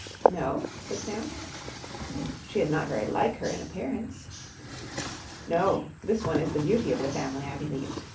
"No?" said Sam. "She is not very like her in appearance." "No. This one is the beauty of the family, I believe.